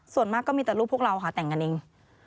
ส่วนมากก็มีแต่รูปพวกเราค่ะแต่งกันเอง